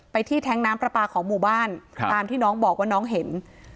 ที่แท้งน้ำปลาปลาของหมู่บ้านตามที่น้องบอกว่าน้องเห็น